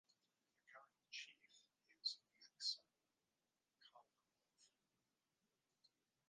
The current Chief is Maksim Kharlamov.